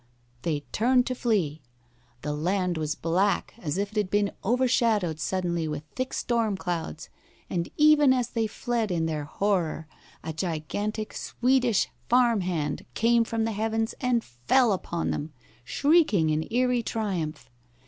They turned to flee. The land was black, as if it had been overshadowed suddenly with thick storm clouds, and even as they fled in their horror a gigantic Swedish farm hand came from the heavens and fell upon them, shrieking in eerie triumph.